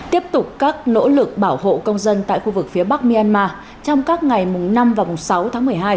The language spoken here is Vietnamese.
tiếp tục các nỗ lực bảo hộ công dân tại khu vực phía bắc myanmar trong các ngày mùng năm và sáu tháng một mươi hai